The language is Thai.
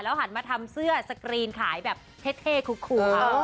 แล้วหันมาทำเสื้อสกรีนขายแบบเท่คูลค่ะ